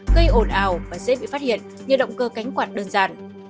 gây ồn ào và dễ bị phát hiện như động cơ cánh quạt đơn giản